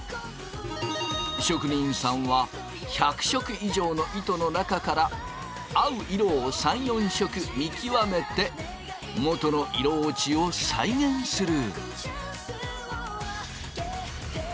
職人さんは１００色以上の糸の中から合う色を３４色見極めてもとの色落ちを再現する。